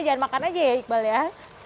jangan makan aja ya iqbal ya